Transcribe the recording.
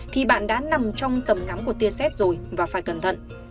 thì bạn đã nằm trong tầm ngắm của tia xét rồi và phải cẩn thận